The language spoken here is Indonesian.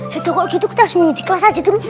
hidup hidup tak senyum di kelas aja dulu